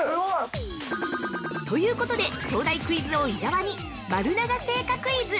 ◆ということで、東大クイズ王・伊沢に丸永製菓クイズ。